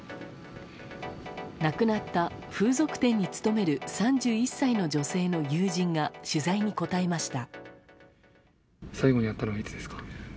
亡くなった、風俗店に勤める３１歳の女性の友人が取材に答えました。